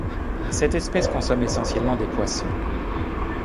Cette espèce consomme essentiellement des poissons.